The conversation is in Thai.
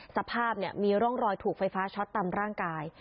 สภาพมีร่องรอยถูกไฟฟ้าช็อตตามร่างกาย